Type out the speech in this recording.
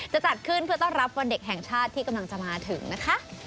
จะจัดขึ้นเพื่อต้อนรับวันเด็กแห่งชาติที่กำลังจะมาถึงนะคะ